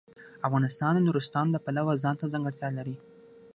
افغانستان د نورستان د پلوه ځانته ځانګړتیا لري.